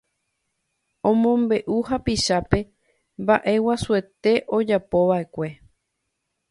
Omombe'u hapichápe mba'eguasuete ojapova'ekue